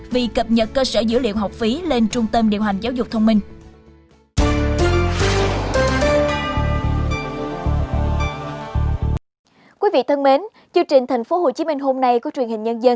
vì cập nhật cơ sở dữ liệu học phí lên trung tâm điều hành giáo dục thông minh